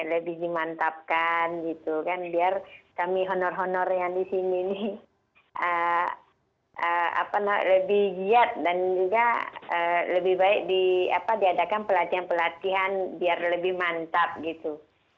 lebih dimantapkan gitu kan biar kami honor honor yang di sini ini lebih giat dan juga lebih baik diadakan pelatihan pelatihan biar lebih mantap gitu